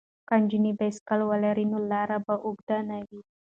که نجونې بایسکل ولري نو لاره به اوږده نه وي.